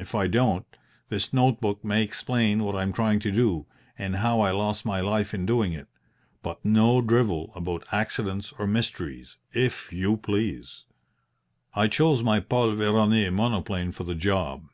If I don't, this note book may explain what I am trying to do, and how I lost my life in doing it. But no drivel about accidents or mysteries, if you please. "I chose my Paul Veroner monoplane for the job.